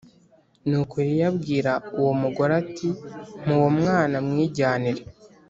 Nuko Eliya abwira uwo mugore ati mpa uwo mwana mwijyanire